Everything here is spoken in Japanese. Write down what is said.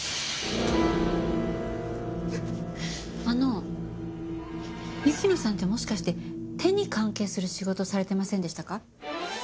あの雪乃さんってもしかして手に関係する仕事されてませんでしたか？